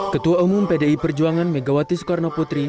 ketua umum pdi perjuangan megawati soekarnoputri